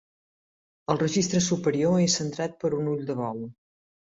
El registre superior és centrat per un ull de bou.